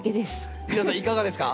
皆さんいかがですか？